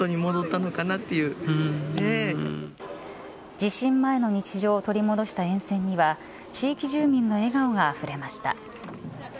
地震前の日常を取り戻した沿線には地域住民の笑顔があふれました。